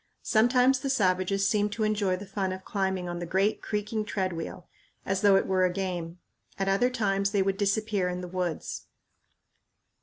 Sometimes the savages seemed to enjoy the fun of climbing on the great creaking treadwheel, as though it were a game. At other times they would disappear in the woods.